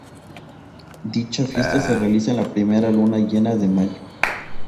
Dicha fiesta se realiza en la primera luna llena de Mayo.